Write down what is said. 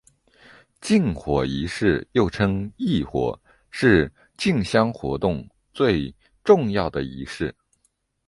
进火仪式又称刈火是进香活动最重要的仪式。